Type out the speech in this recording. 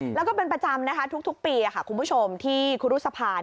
แล้วก็เป็นประจำนะคะทุกปีคุณผู้ชมที่ครูรุษภา